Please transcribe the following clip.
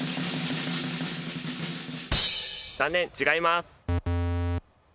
違います。